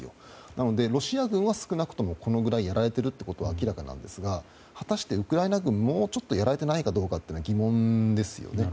なので、ロシア軍は少なくともこのぐらいやられていることは明らかなんですが果たしてウクライナ軍はもうちょっとやられていないか疑問ですよね。